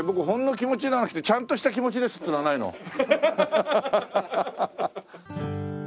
「ほんの気持ち」じゃなくて「ちゃんとした気持ちです」っていうのはないの？